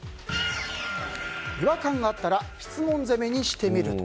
違和感があったら質問攻めにしてみると。